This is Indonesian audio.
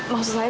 masih air ya